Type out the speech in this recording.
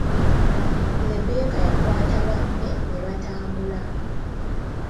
Lebbeka yakwata banne ne batambula.